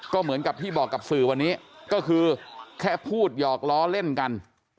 ก็เหมือนกับที่บอกกับสื่อวันนี้ก็คือแค่พูดหยอกล้อเล่นกัน